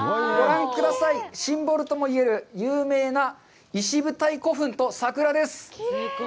ご覧ください、シンボルとも言える有名な石舞台古墳と桜です。